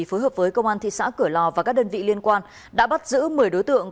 phối hợp với công an thị xã cửa lò và các đơn vị liên quan đã bắt giữ một mươi đối tượng